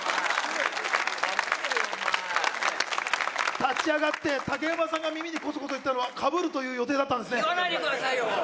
バッチリお前立ち上がって竹馬さんが耳にコソコソ言ったのはかぶるという予定だったんですね言わないでくださいよ！